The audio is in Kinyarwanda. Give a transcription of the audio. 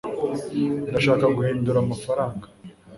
ndashaka guhindura amafaranga